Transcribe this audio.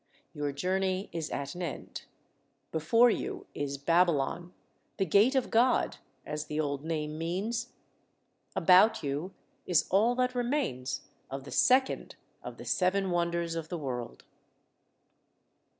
Your journey is at an end. Before you is Babylon, the 'Gate of God," as the old name means. About you is all that remains of the second of the Seven Wonders of the World.